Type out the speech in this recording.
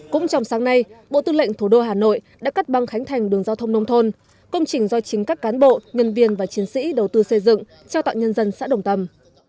cũng trong sáng nay bộ tư lệnh thủ đô hà nội đã cắt băng khánh thành đường giao thông nông thôn công trình do chính các cán bộ nhân viên và chiến sĩ đầu tư xây dựng trao tặng nhân dân xã đồng tâm